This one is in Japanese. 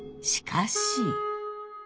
しかし。